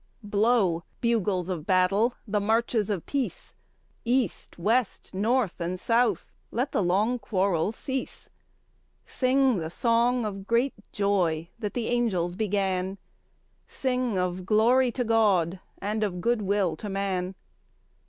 III. Blow, bugles of battle, the marches of peace; East, west, north, and south let the long quarrel cease Sing the song of great joy that the angels began, Sing of glory to God and of good will to man!